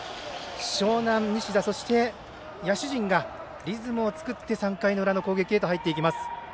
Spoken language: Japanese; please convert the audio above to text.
樟南の西田、そして野手陣がリズムを作って３回裏の攻撃に入っていきます。